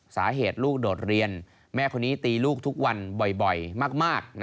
สาเหตุลูกโดดเรียนแม่คนนี้ตีลูกทุกวันบ่อยมาก